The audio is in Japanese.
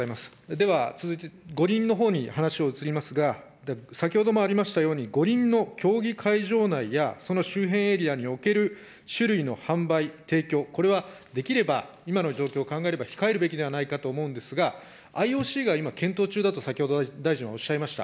では、続いて五輪のほうに話が移りますが、先ほどもありましたように、五輪の競技会場内やその周辺エリアにおける酒類の販売、提供、これはできれば今の状況を考えれば控えるべきではないかと考えるんですが、ＩＯＣが今、検討中だと先ほど、大臣はおっしゃいました。